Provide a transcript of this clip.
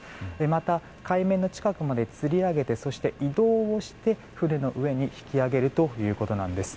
また、海面の近くまでつり上げてそして移動をして船の上に引き揚げるということです。